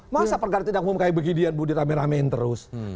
masa perkara tidak umum kayak beginian bu dirame ramein terus